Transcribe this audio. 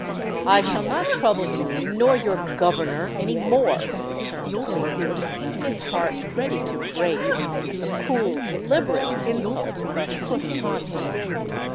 "I shall not trouble you nor your governor any more," returned Greenwood, his heart ready to break at the cool, deliberate insult thus put upon him.